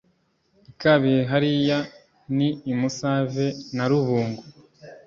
i kabihe hariya, ni i musave na rubungo